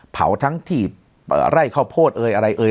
เผาทั้งที่ไร่ข้าวโพดเอ่ยอะไรเอ่ย